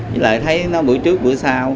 với lại thấy nó bữa trước bữa sau